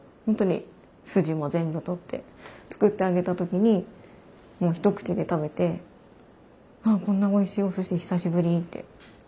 本当に筋も全部取って作ってあげた時に一口で食べて「あっこんなおいしいおすし久しぶり」って。